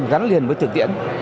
gắn liền với thực tiễn